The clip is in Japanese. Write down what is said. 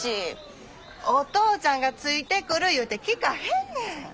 お父ちゃんがついてくる言うて聞かへんねん。